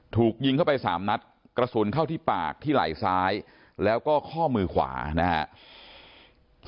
ถูกยิงเข้าไป๓นัดกระสุนเข้าที่ปากที่ไหล่ซ้ายแล้วก็ข้อมือขวานะครับ